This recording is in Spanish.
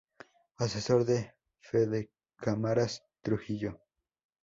Asesor de Fedecámaras Trujillo.